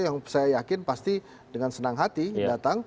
yang saya yakin pasti dengan senang hati datang